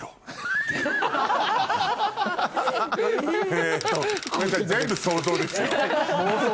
えっとごめんなさい全部想像ですよ。